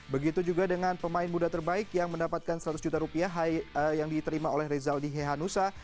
begitu juga dengan pemain muda terbaik yang mendapatkan seratus juta rupiah yang diterima oleh rezaldi hehanusa